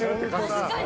確かに。